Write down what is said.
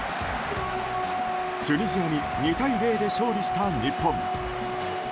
チュニジアに２対０で勝利した日本。